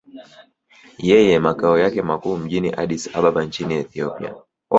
Yenye makao yake makuu mjini Addis Ababa nchini Ethiopia